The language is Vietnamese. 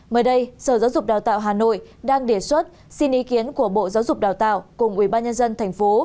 mới đây sở giáo dục đào tạo hà nội đang đề xuất xin ý kiến của bộ giáo dục đào tạo cùng ubnd tp